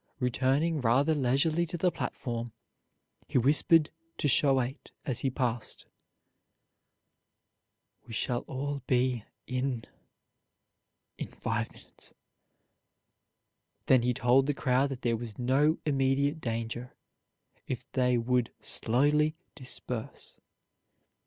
Returning rather leisurely to the platform, he whispered to Choate as he passed, "We shall all be in in five minutes"; then he told the crowd that there was no immediate danger if they would slowly disperse.